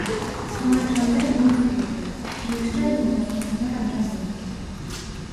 Трое чалавек былі забітыя, і яшчэ адзін пазней памёр ад раненняў.